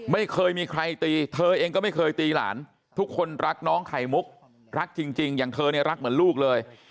ไม่เคยมีใครตีเธอเองก็ไม่เคยตีหลานทุกคนรักน้องไข่มุกรักจริงอย่างเธอเนี่ยรักเหมือนลูกเลย